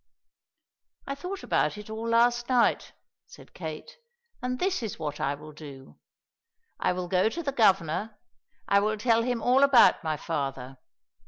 "I thought about it all last night," said Kate, "and this is what I will do. I will go to the Governor; I will tell him all about my father.